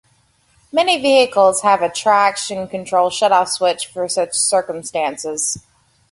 Many vehicles have a traction control shut-off switch for such circumstances.